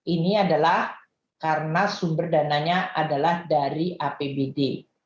ini adalah karena sumber dananya adalah dari apbd